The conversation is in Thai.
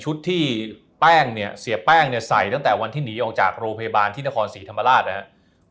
ชุดที่แป้งเสียบแป้งใส่ตั้งแต่วันที่หนีออกจากโรคพระบาลที่นครศรีธรรมราช